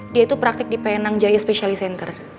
dia tuh praktik di penang jaya specialist center